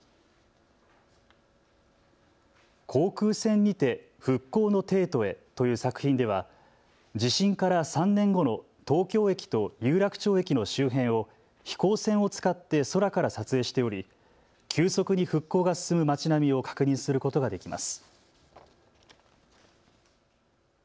航空船にて復興の帝都へという作品では地震から３年後の東京駅と有楽町駅の周辺を飛行船を使って空から撮影しており、急速に復興が進む町並みを確認することができます。